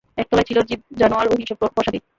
একতলায় ছিল জীব-জানোয়ার ও হিংস্র পশ্বাদি।